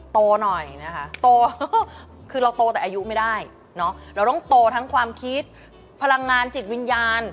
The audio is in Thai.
โตหน่อยนะคะโตคือเราโตแต่อายุไม่ได้เนอะเราต้องโตทั้งความคิดพลังงานจิตวิญญาณ